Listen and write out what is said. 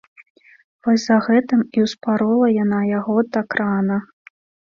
Вось за гэтым і ўспарола яна яго так рана.